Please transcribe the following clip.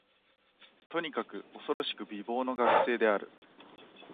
とにかく、おそろしく美貌の学生である